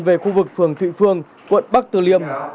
giáp đến khu vực phường thụy phương quận bắc từ liêm